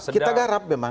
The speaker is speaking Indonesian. kita garap memang